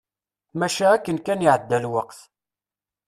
Maca akken kan iɛedda lweqt.